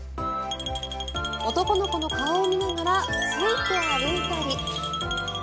男の子の顔を見ながらついて歩いたり。